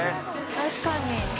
確かに。